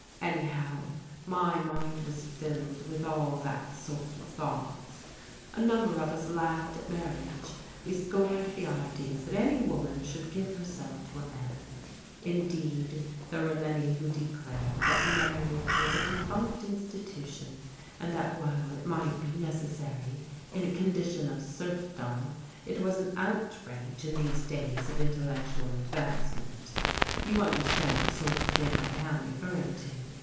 Anyhow, my mind was filled with all that sort of thoughts. A number of us laughed at marriage. We scorned the idea that any woman should give herself to a msm. Indeed, there were many who declared that marriage was a defunct institution, and that while it might be necessary in a condition of serfdom, it was an outrage in these days of intellectual advancement. You understand the sort of thing I am referring to.